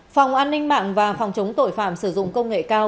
phòng an ninh mạng và phòng chống tội phạm sử dụng công nghệ cao